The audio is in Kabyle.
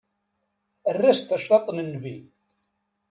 Err-as-d tacḍaṭ n Nnbi.